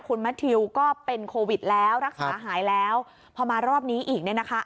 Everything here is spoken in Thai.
คุณแมททิวก็เป็นโควิดแล้วรักษาหายแล้วพอมารอบนี้อีกเนี่ยนะคะ